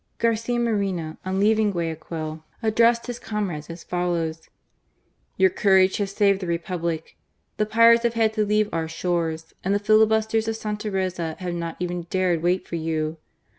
Garcia Moreno, on leaving Guayaquil, addressed his comrades as follows : "Your courage has saved the Republic. The pirates have had to leave our shores, and the fili busters of Santa Rosa have not even dared wait for you.